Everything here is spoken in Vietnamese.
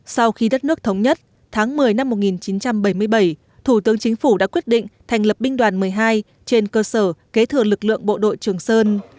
sau khi đất nước thống nhất tháng một mươi năm một nghìn chín trăm bảy mươi bảy thủ tướng chính phủ đã quyết định thành lập binh đoàn một mươi hai trên cơ sở kế thừa lực lượng bộ đội trường sơn